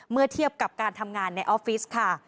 เมื่อเทียบกับการทำงานในออฟฟิศค่ะ